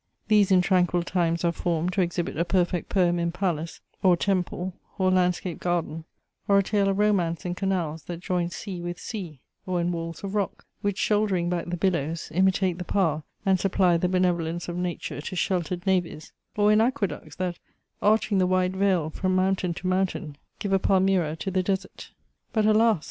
These in tranquil times are formed to exhibit a perfect poem in palace, or temple, or landscape garden; or a tale of romance in canals that join sea with sea, or in walls of rock, which, shouldering back the billows, imitate the power, and supply the benevolence of nature to sheltered navies; or in aqueducts that, arching the wide vale from mountain to mountain, give a Palmyra to the desert. But alas!